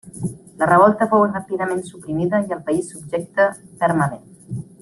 La revolta fou ràpidament suprimida i el país subjecte fermament.